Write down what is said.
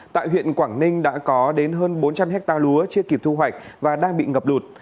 tại huyện quảng ninh đã có đến hơn bốn trăm linh ha lúa chưa kịp thu hoạch